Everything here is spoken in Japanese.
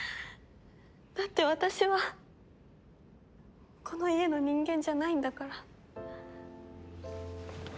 だって私はこの家の人間じゃないんだから。